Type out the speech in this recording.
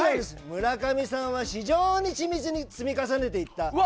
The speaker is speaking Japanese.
村上さんは非常にち密に積み重ねていった。